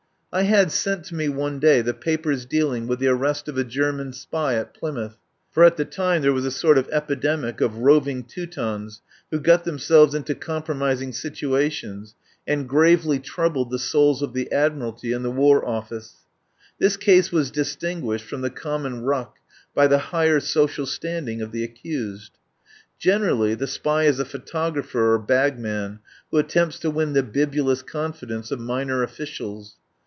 I had sent me one day the papers dealing with the arrest of a German spy at Plymouth, for at the time there was a sort of epidemic of roving Teutons who got themselves into compromising situations, and gravely trou bled the souls of the Admiralty and the War Office. This case was distinguished from the common ruck by the higher social standing of the accused. Generally the spy is a pho tographer or bagman who attempts to win the bibulous confidence of minor officials.